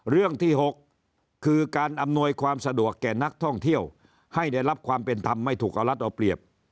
เรื่องที่๖คือการอำนวยความสะดวกแก่นักท่องเที่ยวให้ได้รับความเป็นธรรมไม่ถูกเอารัฐเอาเปรียบ